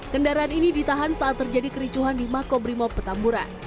kendaraan ini ditahan saat terjadi kericuhan di makobrimob petamburan